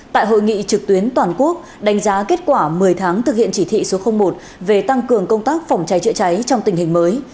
tại hội nghị trực tuyến toàn quốc đánh giá kết quả một mươi tháng thực hiện chỉ thị số một về tăng cường công tác phòng cháy chữa cháy trong tình hình mới